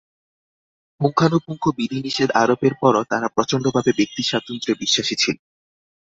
পুঙ্খানুপুঙ্খ বিধিনিষেধ আরোপের পরও তারা প্রচণ্ডভাবে ব্যক্তিস্বাতন্ত্র্যে বিশ্বাসী ছিল।